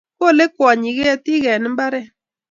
Kolei kwonyik ketik eng mbaret